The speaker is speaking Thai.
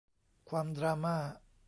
ความดราม่า